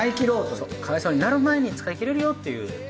そうかわいそうになる前に使い切れるよっていう。